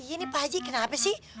gini pak haji kenapa sih